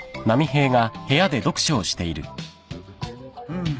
うん。